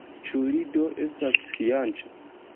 Ĉu li do estas fianĉo?